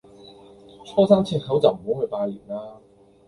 初三赤口就唔好去拜年啦